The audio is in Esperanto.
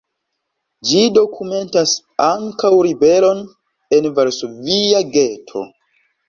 Ĝi dokumentas ankaŭ ribelon en varsovia geto.